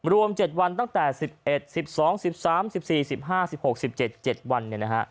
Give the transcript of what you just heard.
รวม๗วันตั้งแต่๑๑๑๒๑๓๑๔๑๕๑๖๑๗๗วัน